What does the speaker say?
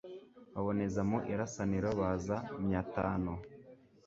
Baboneza mu Irasaniro baza Myatano